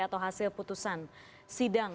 atau hasil putusan sidang